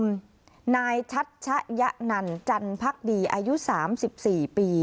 กุมนายชัดชะยะนันจันทร์พักดีอายุสามสิบสี่ปี